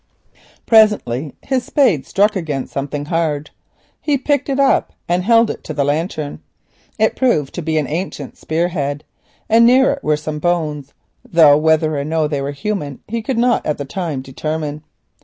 Presently his spade struck against something hard; he picked it up and held it to the lantern. It proved to be an ancient spear head, and near it were some bones, though whether or no they were human he could not at the time determine.